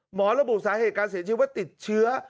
ระบุสาเหตุการเสียชีวิตว่าติดเชื้อ